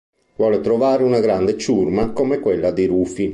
Vuole trovare una grande ciurma come quella di Rufy.